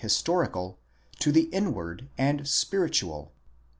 historical to the inward and spiritual.